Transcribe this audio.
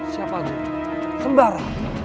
siapa itu sembara